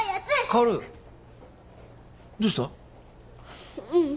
薫どうした？